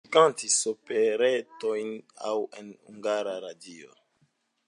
Plej ofte ŝi kantis operetojn, ankaŭ en Hungara Radio.